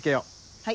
はい。